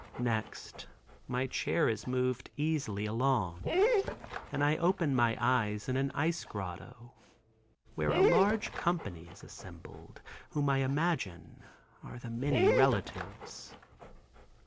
Next my chair is moved easily along and I open my eyes in an ice grotto, where a large company is assembled, whom I imagine are the many relatives.